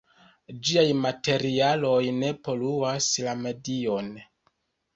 Ĝiaj materialoj ne poluas la medion.